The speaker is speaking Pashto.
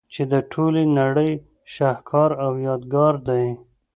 چي د ټولي نړۍ شهکار او يادګار دئ.